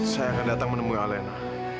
saya akan datang menemui alena